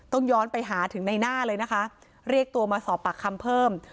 ย้อนไปหาถึงในหน้าเลยนะคะเรียกตัวมาสอบปากคำเพิ่ม